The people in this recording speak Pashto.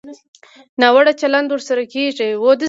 ناوړه چلند ورسره کېږي.